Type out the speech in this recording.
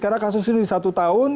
karena kasus ini di satu tahun